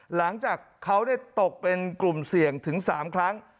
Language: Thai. หลังจากเขาตกเป็นกลุ่มเสี่ยงถึง๓ครั้ง